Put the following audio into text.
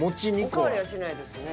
お代わりはしないですね。